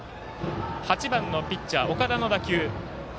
８番のピッチャー、岡田の打球。